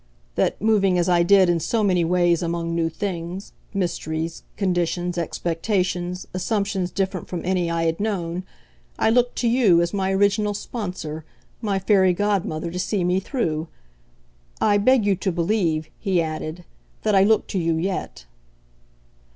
that, moving as I did in so many ways among new things, mysteries, conditions, expectations, assumptions different from any I had known, I looked to you, as my original sponsor, my fairy godmother, to see me through. I beg you to believe," he added, "that I look to you yet."